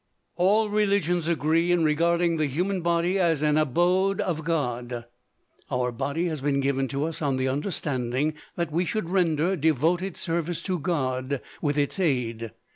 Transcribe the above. All religions agree in regarding the human body as an abode of God. Our body has been given to us on the understanding that we should render devoted service to God with its aid.